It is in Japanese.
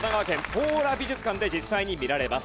ポーラ美術館で実際に見られます。